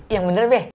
yang bener be